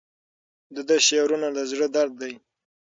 د ده شعرونه د زړه درد دی.